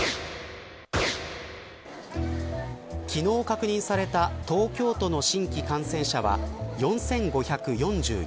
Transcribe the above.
昨日確認された東京都の新規感染者は４５４４人。